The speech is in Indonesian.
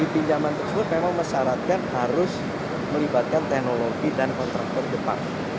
pinjaman tersebut memang mensyaratkan harus melibatkan teknologi dan kontraktor jepang